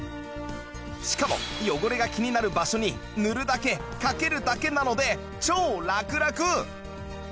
しかも汚れが気になる場所に塗るだけかけるだけなので超ラクラク！